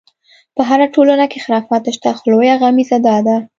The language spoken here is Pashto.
په هره ټولنه کې خرافات شته، خو لویه غمیزه دا ده.